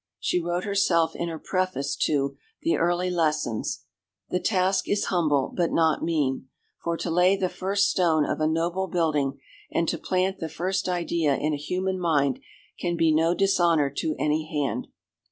She wrote herself in her preface to The Early Lessons: "The task is humble, but not mean, for to lay the first stone of a noble building and to plant the first idea in a human mind can be no dishonour to any hand."